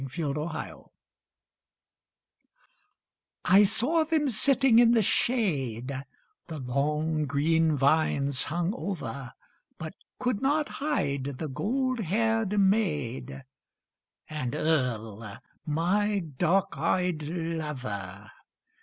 THE MANIAC I saw them sitting in the shade; The long green vines hung over, But could not hide the gold haired maid And Earl, my dark eyed lover.